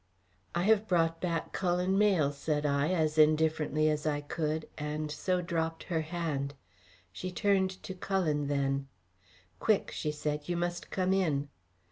"I have brought back Cullen Mayle," said I, as indifferently as I could, and so dropped her hand. She turned to Cullen then. "Quick," she said. "You must come in."